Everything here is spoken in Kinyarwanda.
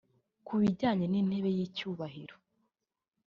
Ku bijyanye n’intebe y’icyubahiro